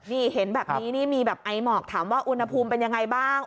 นี่เห็นแบบนี้นี่มีแบบไอหมอกถามว่าอุณหภูมิเป็นยังไงบ้าง